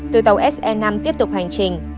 từ tàu se năm tiếp tục hành trình